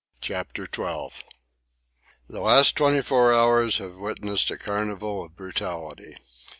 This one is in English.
CHAPTER XII The last twenty four hours have witnessed a carnival of brutality.